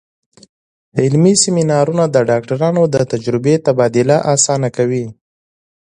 علمي سیمینارونه د ډاکټرانو د تجربې تبادله اسانه کوي.